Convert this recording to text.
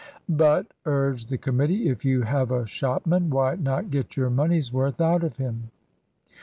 "But," urged the committee, "if you have a shopman, why not get your money's worth out of him?"